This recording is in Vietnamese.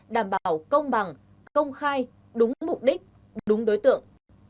đảm bảo công bằng công khai đúng mục đích đúng đối tượng